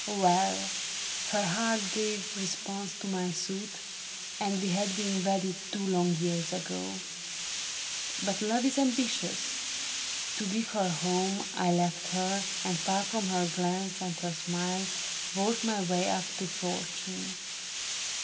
" Well, her heart gave response to my suit, And we had been wedded two long years ago ; But love is ambitious. To give her a home I left her, and far from her glance and her smile, • Worked my way up to fortune.